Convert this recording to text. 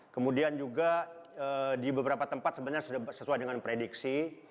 kemudian juga di beberapa tempat sebenarnya sudah sesuai dengan prediksi